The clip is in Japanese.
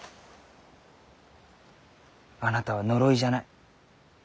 あなたは呪いじゃない。